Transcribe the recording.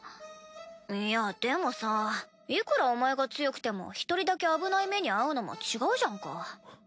いやでもさいくらお前が強くても１人だけ危ない目に遭うのも違うじゃんか。